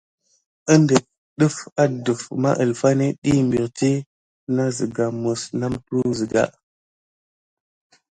Əŋɗeke defà aɗef mà kifà net ɗik piriti nà sika mis namtua siga.